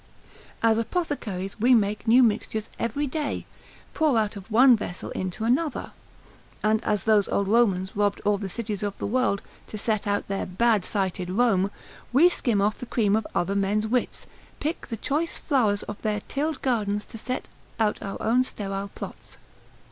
As apothecaries we make new mixtures everyday, pour out of one vessel into another; and as those old Romans robbed all the cities of the world, to set out their bad sited Rome, we skim off the cream of other men's wits, pick the choice flowers of their tilled gardens to set out our own sterile plots.